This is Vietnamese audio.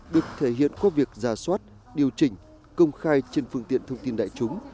được thể hiện qua việc giả soát điều chỉnh công khai trên phương tiện thông tin đại chúng